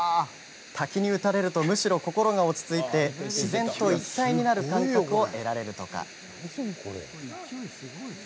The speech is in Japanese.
滝に打たれるとむしろ心が落ち着いて自然と一体になる感覚を得られるとか。